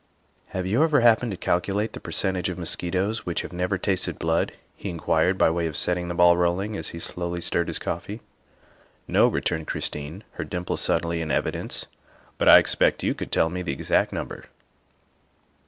'' Have you ever happened to calculate the percentage of mosquitoes which have never tasted blood?" he in quired by way of setting the ball rolling as he slowly stirred his coffee. " No," returned Christine, her dimples suddenly in evidence, " but I expect you could tell me the exact number.